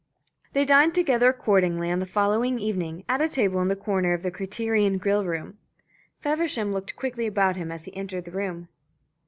They dined together accordingly on the following evening, at a table in the corner of the Criterion grill room. Feversham looked quickly about him as he entered the room.